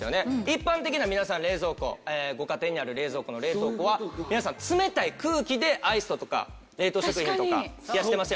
一般的な冷蔵庫ご家庭にある冷蔵庫の冷凍庫は皆さん冷たい空気でアイスだとか冷凍食品とか冷やしてますよね。